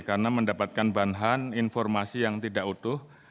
karena mendapatkan bahan hand informasi yang tidak utuh